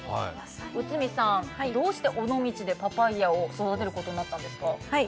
内海さん、どうして尾道でパパイヤを育てることになったんですか？